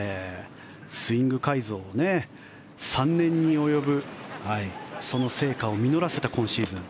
スイング改造も３年に及ぶその成果を実らせた今シーズン。